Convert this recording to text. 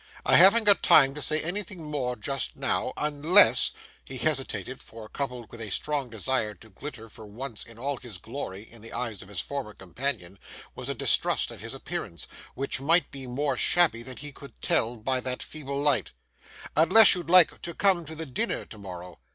I haven't got time to say anything more just now, unless,'—he hesitated, for, coupled with a strong desire to glitter for once in all his glory in the eyes of his former companion, was a distrust of his appearance, which might be more shabby than he could tell by that feeble light,—'unless you'd like to come to the dinner to morrow.